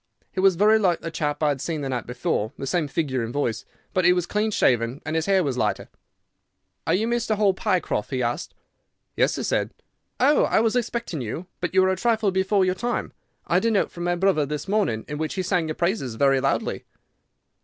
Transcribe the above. He was very like the chap I had seen the night before, the same figure and voice, but he was clean shaven and his hair was lighter. "'Are you Mr. Hall Pycroft?' he asked. "'Yes,' said I. "'Oh! I was expecting you, but you are a trifle before your time. I had a note from my brother this morning in which he sang your praises very loudly.